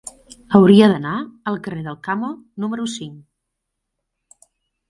Hauria d'anar al carrer d'Alcamo número cinc.